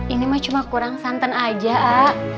ini mah cuma kurang santan aja a